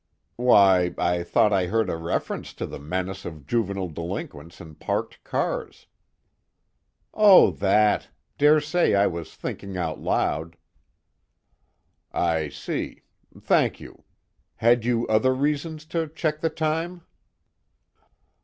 "Why, I thought I heard a reference to the menace of juvenile delinquents in parked cars." "Oh, that dare say I was thinking out loud." "I see. Thank you. Had you other reasons to check the time?"